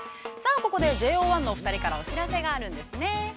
ここでＪＯ１のお二人からお知らせがあるんですよね。